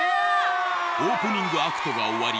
オープニングアクトが終わり